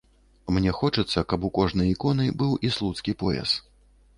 Мне хочацца, каб у кожнай іконы быў і слуцкі пояс.